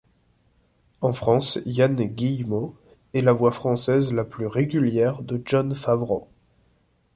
En France, Yann Guillemot est la voix française la plus régulière de Jon Favreau.